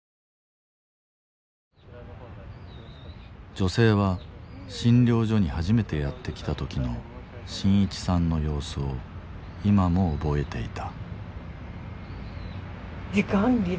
女性は診療所に初めてやって来た時の伸一さんの様子を今も覚えていた。